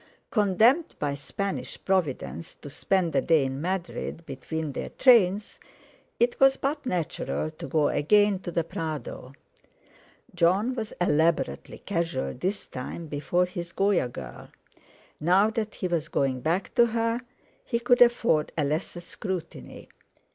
Condemned by Spanish Providence to spend a day in Madrid between their trains, it was but natural to go again to the Prado. Jon was elaborately casual this time before his Goya girl. Now that he was going back to her, he could afford a lesser scrutiny.